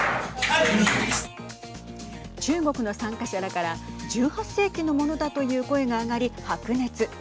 中国の参加者らから１８世紀のものだという声が上がり白熱。